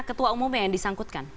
ketua umumnya yang disangkutkan